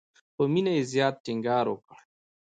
په مینه یې زیات ټینګار وکړ.